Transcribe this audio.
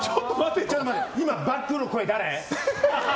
今、バックの声、誰？